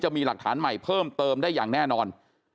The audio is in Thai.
มีหลักฐานใหม่เพิ่มเติมได้อย่างแน่นอน